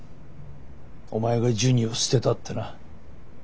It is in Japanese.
お前がジュニを捨てたってな。